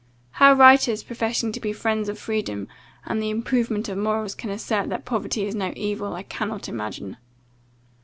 "How writers, professing to be friends to freedom, and the improvement of morals, can assert that poverty is no evil, I cannot imagine."